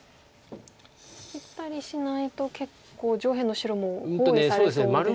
切ったりしないと結構上辺の白も包囲されそうですよね。